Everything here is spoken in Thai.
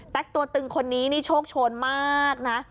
ตัวตึงคนนี้นี่โชคโชนมากนะ